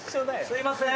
すいません。